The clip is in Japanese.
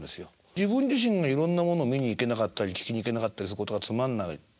自分自身がいろんなものを見に行けなかったり聴きに行けなかったりすることがつまんない。